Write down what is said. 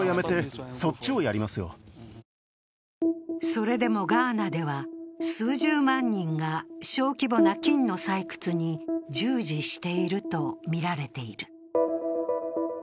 それでもガーナでは数十万人が小規模な金の採掘に従事しているとみられている。